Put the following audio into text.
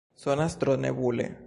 Sonas tro nebule.